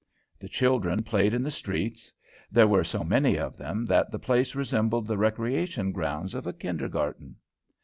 The children played in the streets; there were so many of them that the place resembled the recreation grounds of a kindergarten.